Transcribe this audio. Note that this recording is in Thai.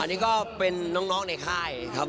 อันนี้ก็เป็นน้องในค่ายครับ